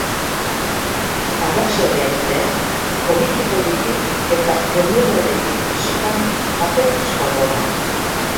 Arratsaldean zehar, poliki-poliki eta mendebaldetik hasita, atertuz joango da.